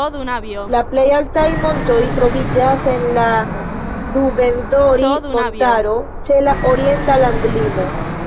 La plej altaj montoj troviĝas en la Ruvenzori-montaro ĉe la orienta landlimo.